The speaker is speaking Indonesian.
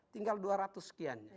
tinggal dua ratus sekian